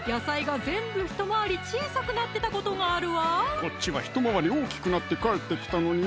こっちは一回り大きくなって帰ってきたのにね